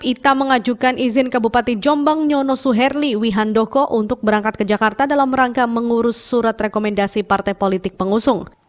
ita mengajukan izin ke bupati jombang nyono suherli wihandoko untuk berangkat ke jakarta dalam rangka mengurus surat rekomendasi partai politik pengusung